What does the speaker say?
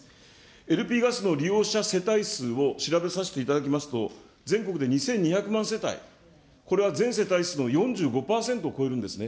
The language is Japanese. ＬＰガスの利用者世帯数を調べさせていただきますと、全国で２２００万世帯、これは全世帯数の４５％を超えるんですね。